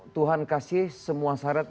tuhan kasih semua syarat